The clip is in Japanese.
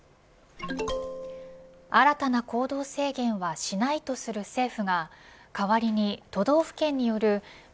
新たな行動制限はしないとする政府が代わりに都道府県によるＢＡ．